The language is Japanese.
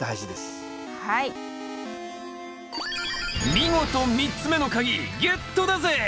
見事３つ目の鍵ゲットだぜ！